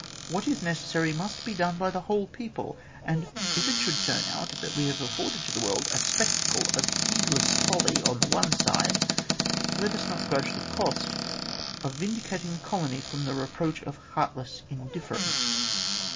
What is necessary must be done by the whole people, and if it should turn out that we have afforded to the world a spectacle of heedless folly on the one side, let us not grudge the cost of vindicating the colony from the reproach of heartless indifference."